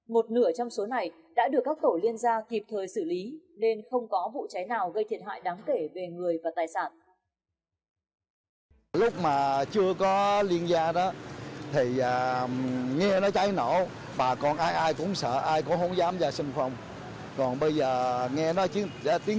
một nửa trong số này đã được các tổ liên gia kịp thời xử lý nên không có vụ cháy nào gây thiệt hại đáng kể về người và tài sản